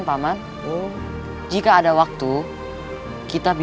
o pounds sudah jauh tadi